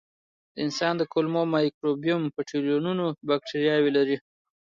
د انسان د کولمو مایکروبیوم په ټریلیونونو بکتریاوې لري.